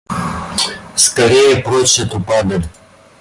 Скорее, прочь эту падаль!